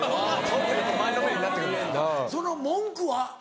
・前のめりになってくる・その文句は？